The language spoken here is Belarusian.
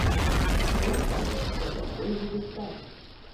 Ён кажа, што цяплей будзе спаць.